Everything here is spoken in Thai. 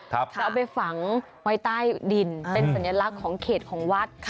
เอาไปฝังไว้ใต้ดินเป็นสัญลักษณ์ของเขตของวัด